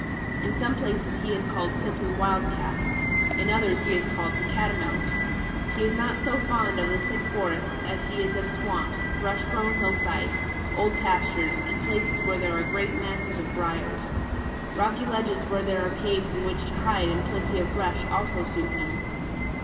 In some places he is called simply Wild Cat. In others he is called the Catamount. He is not so fond of the thick forests as he is of swamps, brush grown hillsides, old pastures and places where there are great masses of briars. Rocky ledges where there are caves in which to hide and plenty of brush also suit him.